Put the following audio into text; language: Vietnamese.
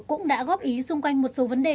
cũng đã góp ý xung quanh một số vấn đề